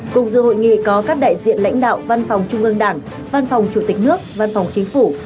cùng dự hội nghị có các đại diện lãnh đạo văn phòng trung ương đảng văn phòng chủ tịch nước văn phòng chính phủ